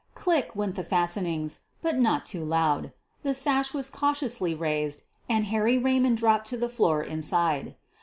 "Click" went the fastenings — but not too loud. The sash was cautiously raised and Harry Raymond dropped to the floor inside.